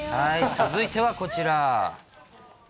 続いてはこちら。